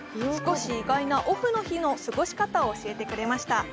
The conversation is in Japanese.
少し意外なオフの日の過ごし方を教えてくれました。